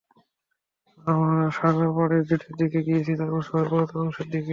আমরা সাগর পাড়ের জেটির দিকে গিয়েছি, তারপর শহরের পুরাতন অংশের দিকে।